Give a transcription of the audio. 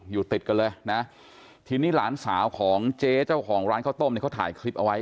อยู่ติดกันเลยนะทีนี้หลานสาวของเจ๊เจ้าของร้านข้าวต้มเนี่ยเขาถ่ายคลิปเอาไว้